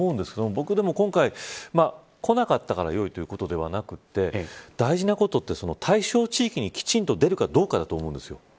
僕、今回、来なかったからよいということではなくて大事なことは、対象地域にきちんと出るかどうかだと思うんですよ。